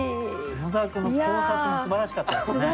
桃沢君の考察もすばらしかったですね。